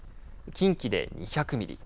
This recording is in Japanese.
近畿で２００ミリ